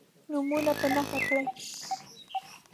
نومونه په نښه کړئ.